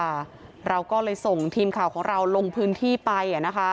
ค่ะเราก็เลยส่งทีมข่าวของเราลงพื้นที่ไป